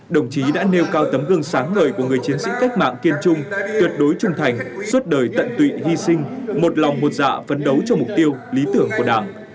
đồng chí đã nêu cao tấm gương sáng ngời của người chiến sĩ cách mạng kiên trung tuyệt đối trung thành suốt đời tận tụy hy sinh một lòng một dạ phấn đấu cho mục tiêu lý tưởng của đảng